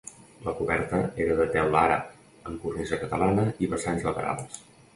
La coberta era de teula àrab amb cornisa catalana i vessants laterals.